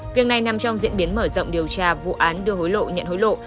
việc này nằm trong diễn biến mở rộng điều tra vụ án đưa hối lộ nhận hối lộ